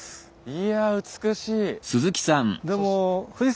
いや美しい。